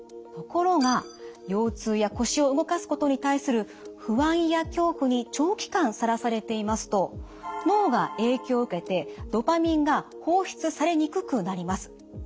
ところが腰痛や腰を動かすことに対する不安や恐怖に長期間さらされていますと脳が影響を受けてドパミンが放出されにくくなります。